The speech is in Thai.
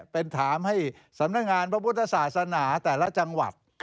เป็นถามให้สำนักงานพระพุทธศาสนาแต่ละจังหวัด